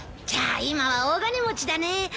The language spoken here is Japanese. じゃあ今は大金持ちだね。